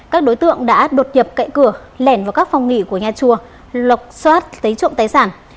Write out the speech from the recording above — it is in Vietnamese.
các đối tượng đã đột nhập cậy cửa lẻn vào các phòng nghỉ của nhà chùa lục xoát lấy trộm tài sản